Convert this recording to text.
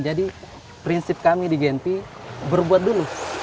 jadi prinsip kami di genpi berbuat dulu